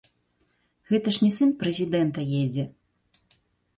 Гэта ж не сын прэзідэнта едзе.